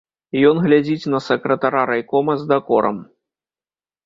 Ён глядзіць на сакратара райкома з дакорам.